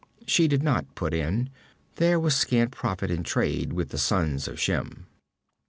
She did not put in; there was scant profit in trade with the sons of Shem.